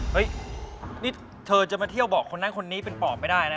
เฮ้ยนี่เธอจะมาเที่ยวบอกคนนั้นคนนี้เป็นปอบไม่ได้นะ